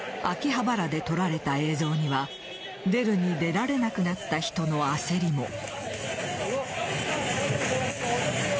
秋葉原で撮られた映像には出るに出られなくなった人の焦りも。